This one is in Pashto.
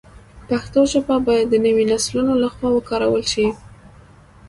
پښتو ژبه باید د نویو نسلونو له خوا وکارول شي.